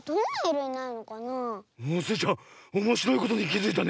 スイちゃんおもしろいことにきづいたね。